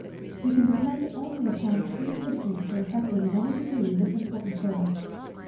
We can depend only upon true Christians for effecting, in any degree, this important service.